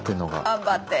頑張って！